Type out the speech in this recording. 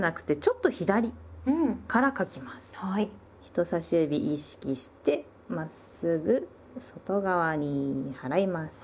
人さし指意識してまっすぐ外側に払います。